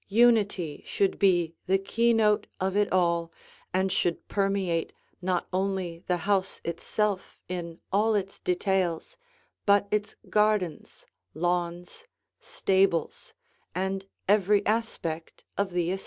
Unity should be the keynote of it all and should permeate not only the house itself in all its details, but its gardens, lawns, stables, and every aspect of the estate.